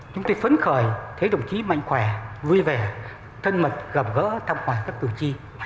chúng tôi phấn khởi thấy đồng chí mạnh khỏe vui vẻ thân mật gặp gỡ thăm hỏi các cử tri